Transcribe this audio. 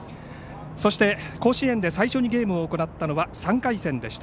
そして甲子園で最初にゲームを行ったのは３回戦でした。